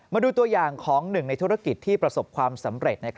มาดูตัวอย่างของหนึ่งในธุรกิจที่ประสบความสำเร็จ